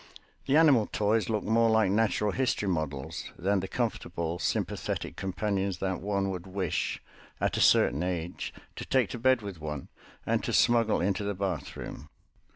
The animal toys looked more like natural history models than the comfortable, sympathetic companions that one would wish, at a certain age, to take to bed with one, and to smuggle into the bath room.